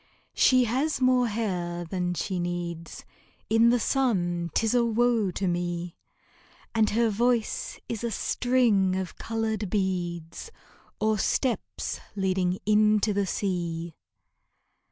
She has more hair than she needs; In the sun 'tis a woe to me! And her voice is a string of colored beads, Or steps leading into the sea.